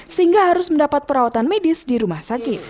sehingga harus mendapat perawatan medis di rumah sakit